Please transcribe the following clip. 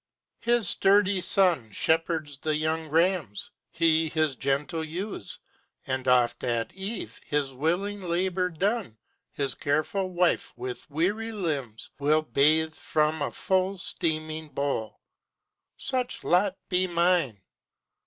His sturdy son Shepherds the young rams; he, his gentle ewes; And oft at eve, his willing labor done, His careful wife his weary limbs will bathe From a full, steaming bowl. Such lot be mine!